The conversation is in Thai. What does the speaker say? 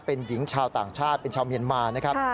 เป็นหญิงชาวต่างชาติเป็นชาวเมียนมานะครับ